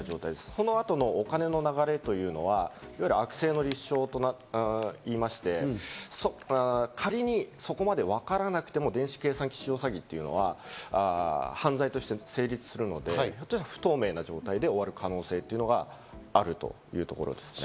その後のお金の流れというのは、悪性の立証と言いまして、仮にそこまでわからなくても電子計算機使用詐欺というのは犯罪として成立するので、不透明な状態で終わる可能性というのがあるというところですね。